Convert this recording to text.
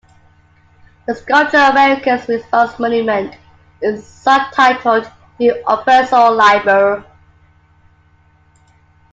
The sculpture America's Response Monument is subtitled "De Oppresso Liber".